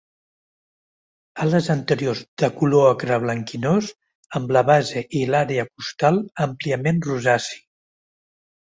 Ales anteriors de color ocre blanquinós amb la base i l'àrea costal àmpliament rosaci.